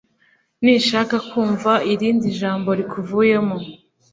Sinshaka kumva irindi jambo rikuvuyemo.